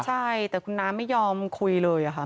ใช่แต่คุณน้าไม่ยอมคุยเลยค่ะ